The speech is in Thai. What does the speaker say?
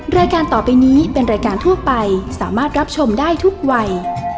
รายการต่อไปนี้เป็นรายการทั่วไปสามารถรับชมได้ทุกวัย